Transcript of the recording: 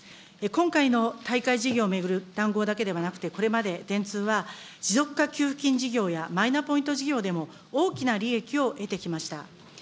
今回の大会事業を巡る談合だけではなくて、これまで電通は、持続化給付金事業やマイナポイント事業でも、大きな利益を得てきました。